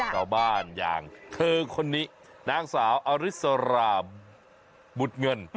ชาวบ้านอย่างเธอคนนี้นางสาวอริสรามบุตรเงิน